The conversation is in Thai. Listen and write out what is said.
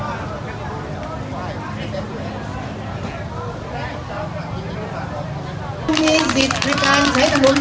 สวัสดีครับ